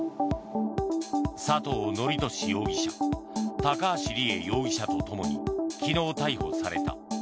佐藤徳壽容疑者高橋里衣容疑者とともに昨日、逮捕された。